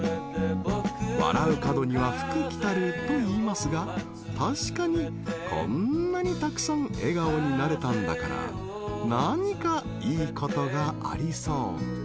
［笑う門には福来たるといいますが確かにこんなにたくさん笑顔になれたんだから何かいいことがありそう］